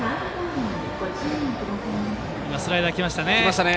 スライダーきましたね。